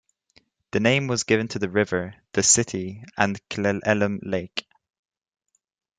The name was given to the river, the city, and Cle Elum Lake.